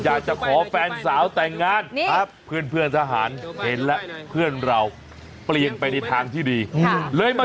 อยากแบบแบบอื่นที่แกได้อะ